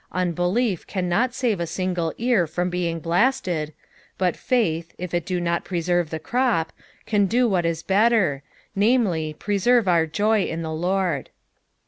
Unbelief cannot save a Bingle ear from being blasted, but faith, if it do not preserve the crop, can do what is better, namely, preserve our joy in the Lord.